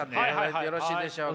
よろしいでしょうか？